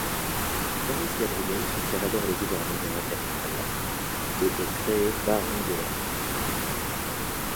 Maurice Gabriel soutient d'abord le gouvernement impérial et est créé baron de l'Empire.